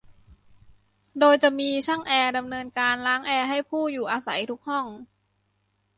โดยจะมีช่างแอร์ดำเนินการล้างแอร์ให้ผู้อยู่อาศัยทุกห้อง